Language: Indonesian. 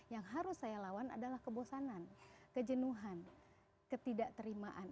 yang harus saya lawan adalah kebosanan kejenuhan ketidakterimaan